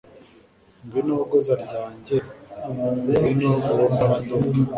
ngwino hogoza ryanjye, ngwono uwo mpora ndota